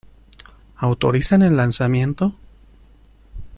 ¿ Autorizan el lanzamiento?